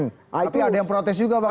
tapi ada yang protes juga pak